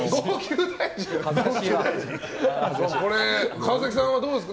川崎さんはどうですか？